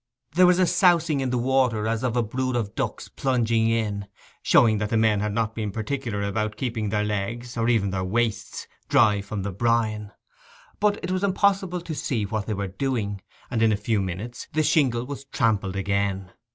There was a sousing in the water as of a brood of ducks plunging in, showing that the men had not been particular about keeping their legs, or even their waists, dry from the brine: but it was impossible to see what they were doing, and in a few minutes the shingle was trampled again.